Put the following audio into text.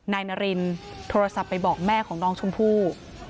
นายนารินโทรศัพท์ไปบอกแม่ของน้องชมพู่